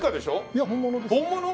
いや本物です。